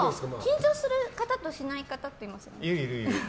緊張する方としない方っていますよね。